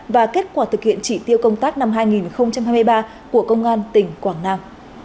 và kết quả thực hiện chỉ tiêu công tác năm hai nghìn hai mươi ba của công an tỉnh quảng nam